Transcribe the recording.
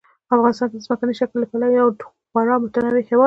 افغانستان د ځمکني شکل له پلوه یو خورا متنوع هېواد دی.